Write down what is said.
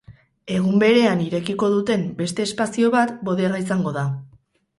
Egun berean irekiko duten beste espazio bat bodega izango da.